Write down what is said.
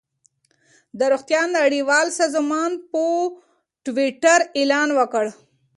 د روغتیا نړیوال سازمان په ټویټر اعلان وکړ.